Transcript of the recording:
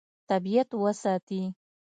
طبیعت وساتي.